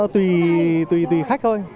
tùy khách thôi